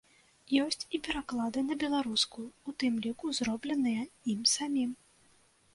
Ёсць і пераклады на беларускую, у тым ліку зробленыя ім самім.